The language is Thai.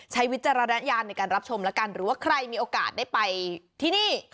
วิจารณญาณในการรับชมแล้วกันหรือว่าใครมีโอกาสได้ไปที่นี่